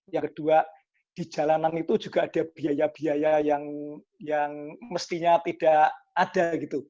yang kedua di jalanan itu juga ada biaya biaya yang mestinya tidak ada gitu